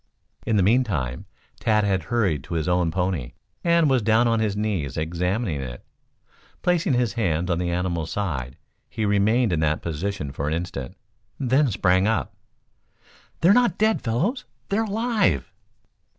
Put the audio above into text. In the meantime Tad had hurried to his own pony, and was down on his knees examining it. Placing his hands on the animal's side, he remained in that position for an instant, then sprang up. "They're not dead, fellows! They're alive!"